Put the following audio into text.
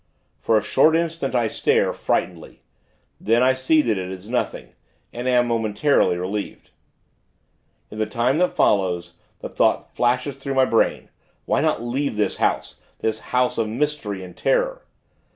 For a short instant, I stare, frightenedly. Then, I see that it is nothing, and am, momentarily, relieved. In the time that follows, the thought flashes through my brain, why not leave this house this house of mystery and terror?